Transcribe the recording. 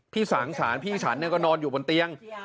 พี่สางสารพี่ฉันก็นอนอยู่บนเตียง